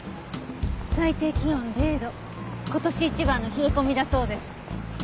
最低気温０度今年一番の冷え込みだそうです。